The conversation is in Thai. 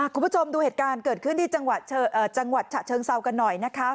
คุณผู้ชมดูเหตุการณ์เกิดขึ้นที่จังหวัดฉะเชิงเซากันหน่อยนะคะ